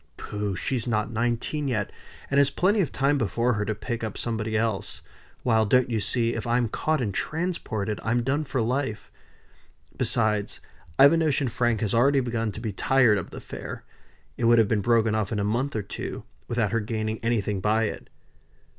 "Pooh! she's not nineteen yet, and has plenty of time before her to pick up somebody else; while, don't you see, if I'm caught and transported, I'm done for life. Besides I've a notion Frank had already begun to be tired of the affair; it would have been broken off in a month or two, without her gaining anything by it."